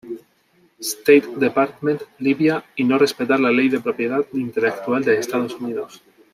State Department, Libia, y no respetar la ley de propiedad intelectual de Estados Unidos.